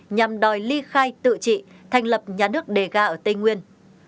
nhằm đòi ly khai tự trị thành lập nhà nước đề ga ở tây nguyên